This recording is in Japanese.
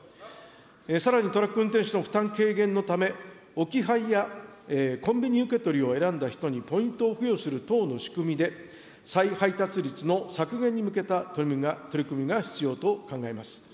さらにトラック運転手の負担軽減のため、置き配やコンビニ受け取りを選んだ人にポイントを付与する等の仕組みで、再配達率の削減に向けた取り組みが必要と考えます。